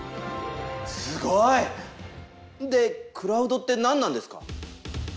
すごい！でクラウドって何なんですか？